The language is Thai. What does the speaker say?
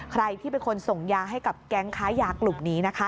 ใครที่เป็นคนส่งยาให้กับแก๊งค้ายากลุ่มนี้นะคะ